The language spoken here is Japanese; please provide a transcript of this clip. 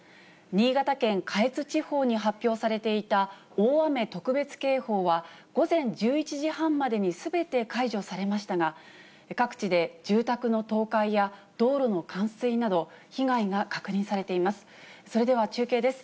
新潟県下越地方に発表されていた、大雨特別警報は、午前１１時半までにすべて解除されましたが、各地で住宅の倒壊や道路の冠水など被害が確認されています。